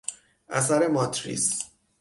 اثر ماتریس